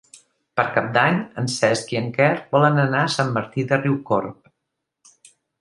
Per Cap d'Any en Cesc i en Quer volen anar a Sant Martí de Riucorb.